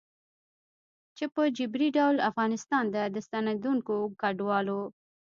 چې په جبري ډول افغانستان ته د ستنېدونکو کډوالو